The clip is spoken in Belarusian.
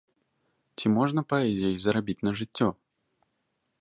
Ці можна паэзіяй зарабіць на жыццё?